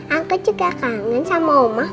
aku juga kangen sama oma